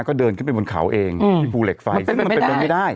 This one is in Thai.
ก็เดินขึ้นไปบนเขาเองที่ภูเหล็กไฟซึ่งมันเป็นไปไม่ได้